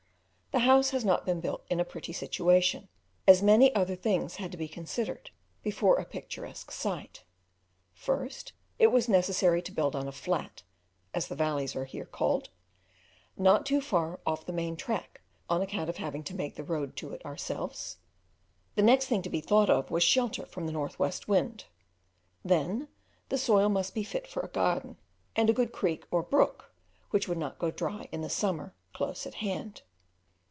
The house has not been built in a pretty situation, as many other things had to be considered before a picturesque site: first it was necessary to build on a flat (as the valleys here are called), not too far off the main track, on account of having to make the road to it ourselves; the next thing to be thought of was shelter from the north west wind; then the soil must be fit for a garden, and a good creek, or brook, which would not go dry in the summer, close at hand.